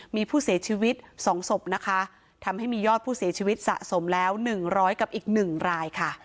มีผู้เสียชีวิต๒ศพนะคะทำให้มียอดผู้เสียชีวิตสะสมแล้ว๑๐๐กับอีก๑รายค่ะ